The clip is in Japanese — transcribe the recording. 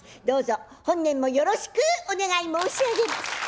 どうぞ本年もよろしくお願い申し上げます。